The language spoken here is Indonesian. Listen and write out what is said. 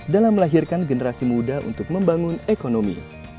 dalam melahirkan generasi muda untuk membangun ekonomi